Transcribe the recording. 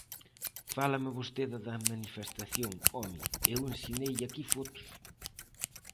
Fálame vostede da manifestación: home, eu ensineille aquí fotos.